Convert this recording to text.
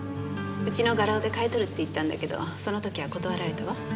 うちの画廊で買い取るって言ったんだけどその時は断られたわ。